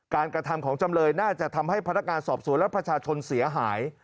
กระทำของจำเลยน่าจะทำให้พนักงานสอบสวนและประชาชนเสียหาย